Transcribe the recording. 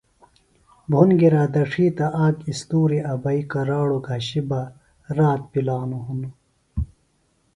بُھن گِرا دڇھی تہ آک اِستوریۡ ابئی کراڑوۡ گھشیۡ بہ رات پِلانوۡ ہِنوۡ